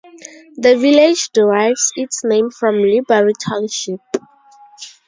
The village derives its name from Liberty Township.